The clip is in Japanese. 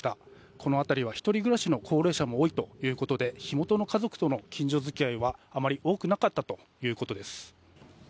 この辺りは１人暮らしの高齢者も多いということで火元の家族との近所付き合いはあまり多くなかったということです。